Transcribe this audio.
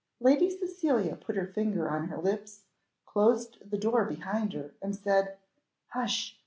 Lady Cecilia put her finger on her lips, closed the door behind her, and said, "Hush!